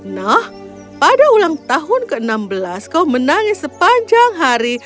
nah pada ulang tahun ke enam belas kau menangis sepanjang hari